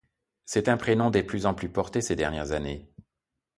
C'est un prénom de plus en plus porté ces dernières années.